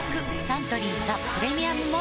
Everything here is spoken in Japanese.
サントリー「ザ・プレミアム・モルツ」